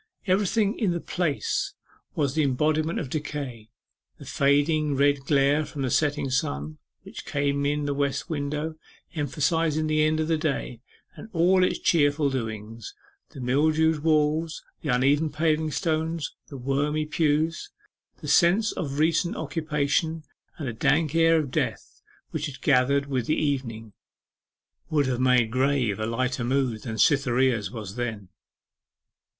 Everything in the place was the embodiment of decay: the fading red glare from the setting sun, which came in at the west window, emphasizing the end of the day and all its cheerful doings, the mildewed walls, the uneven paving stones, the wormy pews, the sense of recent occupation, and the dank air of death which had gathered with the evening, would have made grave a lighter mood than Cytherea's was then.